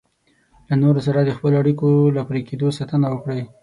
له نورو سره د خپلو اړیکو له پرې کېدو ساتنه وکړئ.